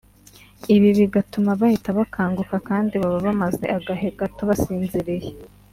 ibi bigatuma bahita bakanguka kandi baba bamaze agahe gato basinziriye